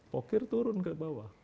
pokir turun ke bawah